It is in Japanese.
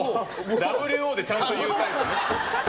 ＷＯでちゃんと言うタイプね。